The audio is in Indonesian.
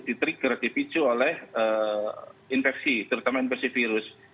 di trigger dipicu oleh infeksi terutama infeksi virus